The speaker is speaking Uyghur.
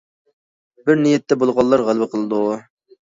بىر نىيەتتە بولغانلار غەلىبە قىلىدۇ.